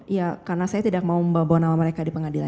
iya karena saya tidak mau membawa nama mereka di pengadilan